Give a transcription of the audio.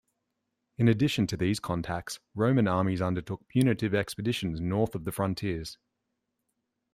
In addition to these contacts, Roman armies undertook punitive expeditions north of the frontiers.